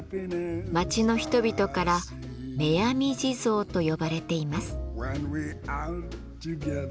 町の人々から目疾地蔵と呼ばれています。